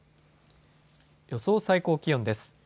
予想最高気温です。